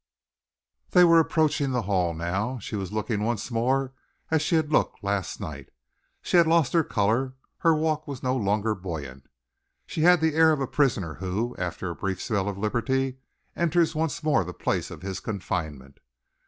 They were approaching the Hall now. She was looking once more as she had looked last night. She had lost her colour, her walk was no longer buoyant. She had the air of a prisoner who, after a brief spell of liberty, enters once more the place of his confinement.